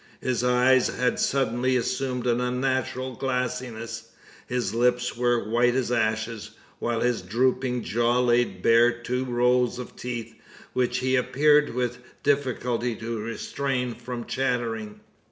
His eyes had suddenly assumed an unnatural glassiness; his lips were white as ashes; while his drooping jaw laid bare two rows of teeth, which he appeared with difficulty to restrain from chattering!